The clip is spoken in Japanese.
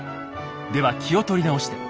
では気を取り直して。